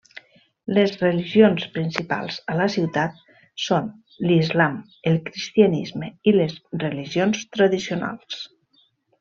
Les religions principals a la ciutat són l'islam, el cristianisme i les religions tradicionals.